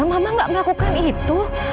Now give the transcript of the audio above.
mama gak melakukan itu